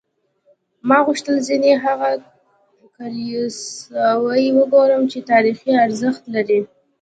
ما غوښتل ځینې هغه کلیساوې وګورم چې تاریخي ارزښت لري.